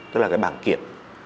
tức là bảng kiểm